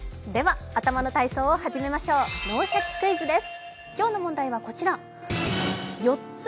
頭の体操を始めましょう「脳シャキ！クイズ」です。